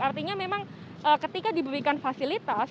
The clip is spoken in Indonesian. artinya memang ketika diberikan fasilitas